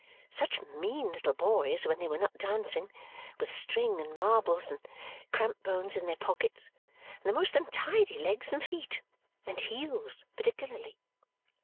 Such mean little boys, when they were not dancing, with string, and marbles, and cramp bones in their pockets, and the most untidy legs and feet and heels particularly.